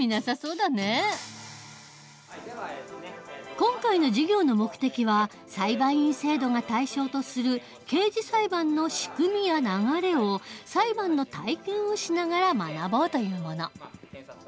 今回の授業の目的は裁判員制度が対象とする刑事裁判の仕組みや流れを裁判の体験をしながら学ぼうというもの。